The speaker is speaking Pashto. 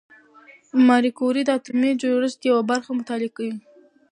ماري کوري د اتومي جوړښت یوه برخه مطالعه کړه.